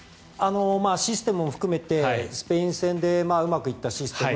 システムも含めてスペイン戦でうまくいったシステム。